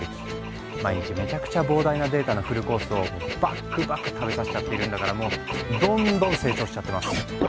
毎日めちゃくちゃ膨大なデータのフルコースをばっくばく食べさせちゃってるんだからもうどんどん成長しちゃってます。